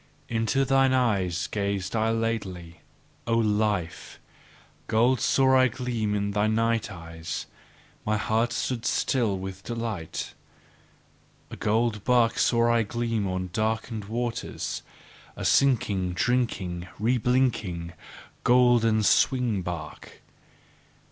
"Into thine eyes gazed I lately, O Life: gold saw I gleam in thy night eyes, my heart stood still with delight: A golden bark saw I gleam on darkened waters, a sinking, drinking, reblinking, golden swing bark!